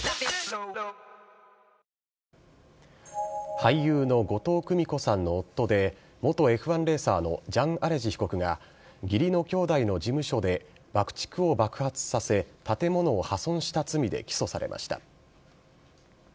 俳優の後藤久美子さんの夫で元Ｆ１レーサーのジャン・アレジ被告が、義理の兄弟の事務所で、爆竹を爆発させ、建物を破損した罪で起訴されました。